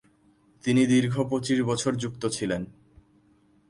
তিনি দীর্ঘ পঁচিশ বছর যুক্ত ছিলেন।